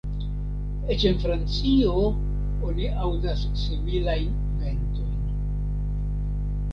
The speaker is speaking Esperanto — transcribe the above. Eĉ en Francio oni aŭdas similajn ventojn.